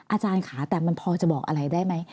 อาจารย์ค่ะแต่มันพอจะบอกอะไรได้ไหม